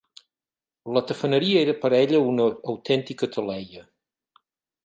La tafaneria era per a ella una autèntica taleia.